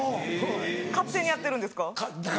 勝手にやってるんですか？